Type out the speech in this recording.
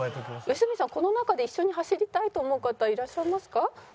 良純さんこの中で一緒に走りたいと思う方いらっしゃいますか？